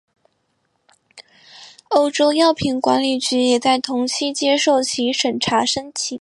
欧洲药品管理局也在同期接受其审查申请。